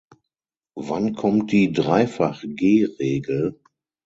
Wann kommt die Dreifach-G Regel?